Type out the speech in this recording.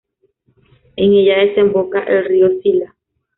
En ella desemboca el río Sila.